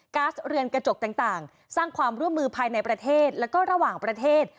๊าซเรือนกระจกต่างสร้างความร่วมมือภายในประเทศแล้วก็ระหว่างประเทศ